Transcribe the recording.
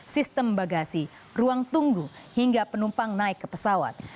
sistem bagasi ruang tunggu hingga penumpang naik ke pesawat